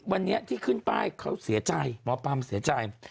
วันนี้ที่ขึ้นป้ายเขาเสียใจหมอปั๊มเสียใจ